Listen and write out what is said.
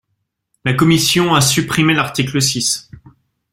La commission a supprimé l’article six.